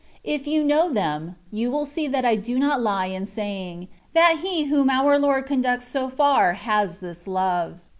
If you know them, you will see that I do not lie in saying, that he whom our Lord conducts so far has this love.